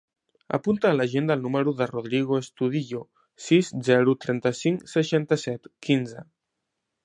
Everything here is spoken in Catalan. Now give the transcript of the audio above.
Apunta a l'agenda el número del Rodrigo Estudillo: sis, zero, trenta-cinc, seixanta-set, quinze.